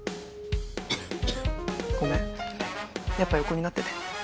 ごめんやっぱ横になってて。